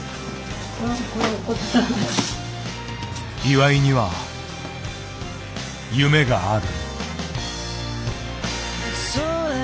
岩井には夢がある。